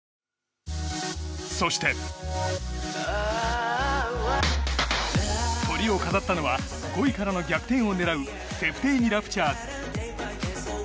そして、トリを飾ったのは５位からの逆転を狙うセプテーニ・ラプチャーズ。